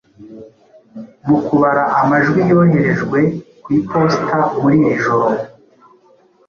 mu kubara amajwi yoherejwe ku iposita muri iri joro